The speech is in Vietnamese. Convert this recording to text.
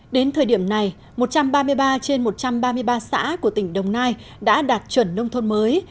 đến thời điểm này một trăm ba mươi ba trên một trăm ba mươi ba xã của tỉnh đồng nai đã đạt chuẩn nông thôn mới